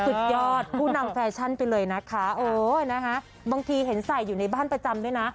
สุดยอดผู้นำแฟชั่นไปเลยนะคะโอ้ยนะคะบางทีเห็นใส่อยู่ในบ้านประจำด้วยนะ